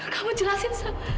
kamu jelasin sa